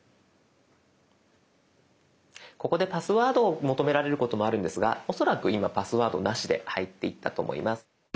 ここでパスワードを求められることもあるんですが恐らく今パスワードなしで入っていったと思います。